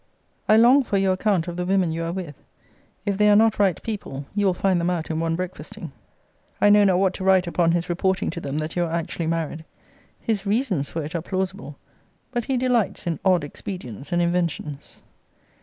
I long for your account of the women you are with. If they are not right people, you will find them out in one breakfasting. I know not what to write upon his reporting to them that you are actually married. His reasons for it are plausible. But he delights in odd expedients and inventions.